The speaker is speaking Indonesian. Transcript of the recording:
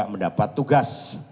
tidak mendapat tugas